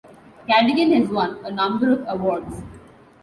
Cadigan has won a number of awards.